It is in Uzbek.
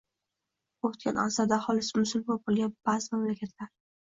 o‘tkan asrda aholisi musulmon bo‘lgan ba’zi mamlakatlar